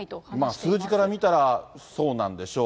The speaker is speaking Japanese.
数字から見たらそうなんでしょう。